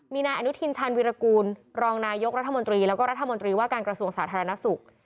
มีนายอนุทินชาญวิรากูลรองนายกรัฐมนตรีแล้วก็รัฐมนตรีว่าการกระทรวงสาธารณสุข